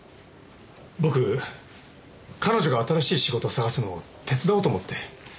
僕彼女が新しい仕事探すのを手伝おうと思って。